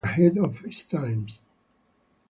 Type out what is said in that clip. A work that ahead of its times.